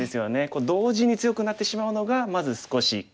同時に強くなってしまうのがまず少し悔しい。